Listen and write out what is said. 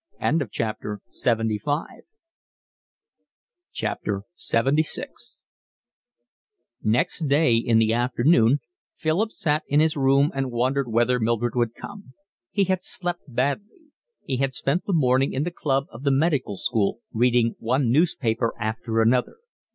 LXXVI Next day, in the afternoon, Philip sat in his room and wondered whether Mildred would come. He had slept badly. He had spent the morning in the club of the Medical School, reading one newspaper after another.